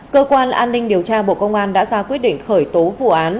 cơ quan an ninh điều tra bộ công an đã ra quyết định khởi tố vụ án